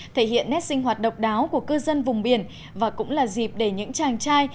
thể hiện nét sinh hoạt độc đáo của cư dân vùng biển và cũng là dịp để những chàng trai